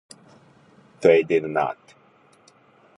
They did not.